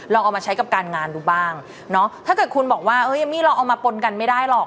เอามาใช้กับการงานดูบ้างเนาะถ้าเกิดคุณบอกว่าเออเอมมี่เราเอามาปนกันไม่ได้หรอก